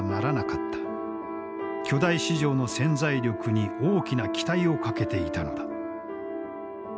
巨大市場の潜在力に大きな期待をかけていたのだ。